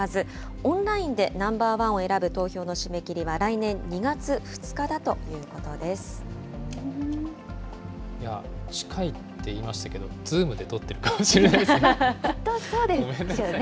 オンラインでナンバーワンを選ぶ投票の締め切りは、来年２月２日いや、近いって言いましたけど、ズームで撮ってるかもしれないですね。